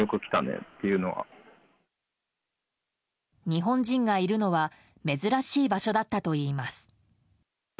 日本人がいるのは珍しい場所だったといいます。